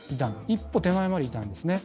一歩手前までいたんですね。